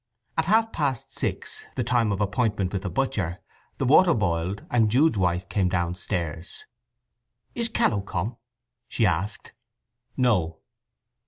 At half past six, the time of appointment with the butcher, the water boiled, and Jude's wife came downstairs. "Is Challow come?" she asked. "No."